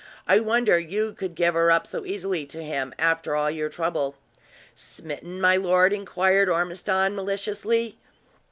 I wonder you could give her up so easily to him, after all your trouble!" "Smitten, my lord?" inquired Ormiston, maliciously.